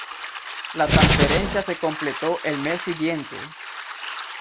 La transferencia se completó el mes siguiente.